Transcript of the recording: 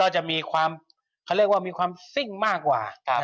ใช่ก็จะมีความซิ่งมากกว่า